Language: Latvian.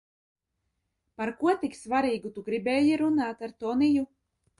Par ko tik svarīgu tu gribēji runāt ar Toniju?